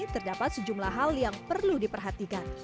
terdapat sejumlah hal yang perlu diperhatikan